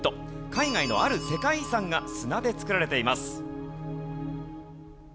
海外のある世界遺産が砂で作られています。